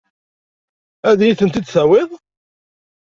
Ad iyi-tent-id-tawiḍ?